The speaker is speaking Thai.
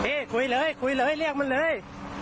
คุยเลยคุยเลยเรียกมันเลย